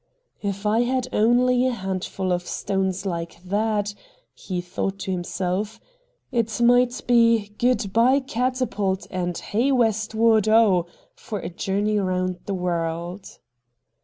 ' If I had only a handful of stones hke that,' he thought to himself, 'it might be good bye 58 RED DIAMONDS " Catapult," and Hey Westward Ho ! for a journey round the world.'